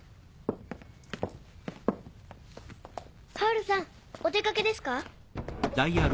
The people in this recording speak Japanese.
ハウルさんお出掛けですか？